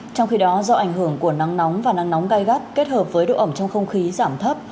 trong khi đó do ảnh hưởng của nắng nóng và nắng nóng gai gắt kết hợp với độ ẩm trong không khí giảm thấp